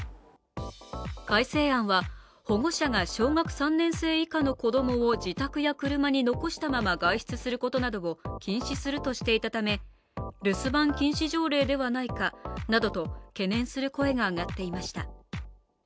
改正案は保護者が小学３年生以下の子供を自宅や車に残して外出することなどを禁止するとしていたため留守番禁止条例ではないかなどと懸念する声が上がっていました。